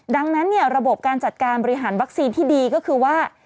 ดังนั้นระบบการจัดการบริหารวัคซีนที่ดีก็คือว่า